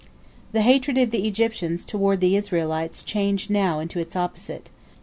" The hatred of the Egyptians toward the Israelites changed now into its opposite.